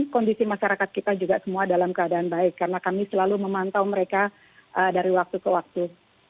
kondisi masyarakat kita juga semua dalam keadaan baik karena kami selalu memantau mereka dari waktu ke waktu